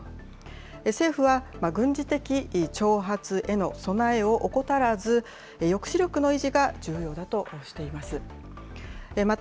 政府は軍事的挑発への備えを怠らず、抑止力の維持が重要だとしています。